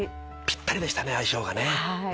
ぴったりでしたね相性がね。